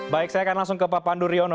baik saya akan langsung ke pak pandu riono